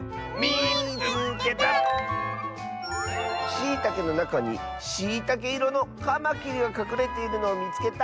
「しいたけのなかにしいたけいろのカマキリがかくれているのをみつけた！」。